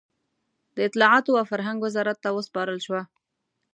د اطلاعاتو او فرهنګ وزارت ته وسپارل شوه.